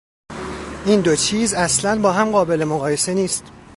این دو چیز اصلا با هم قابل مقایسه نیست.